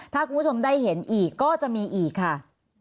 ถ้าคุณผู้ชมได้เห็นอีกก็จะมีอีกค่ะ